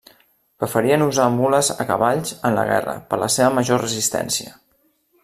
Preferien usar mules a cavalls en la guerra per la seva major resistència.